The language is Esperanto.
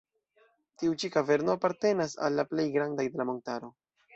Tiu ĉi kaverno apartenas al la plej grandaj de la montaro.